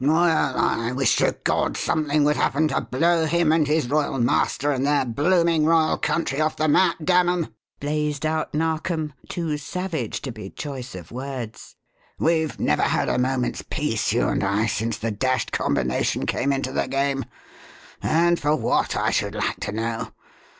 "Well, I wish to God something would happen to blow him and his royal master and their blooming royal country off the map, dammem!" blazed out Narkom, too savage to be choice of words. "We've never had a moment's peace, you and I, since the dashed combination came into the game. And for what, I should like to know?